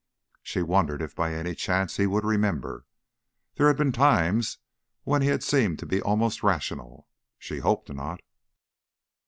She wondered if by any chance he would remember there had been times when he had seemed to be almost rational. She hoped not.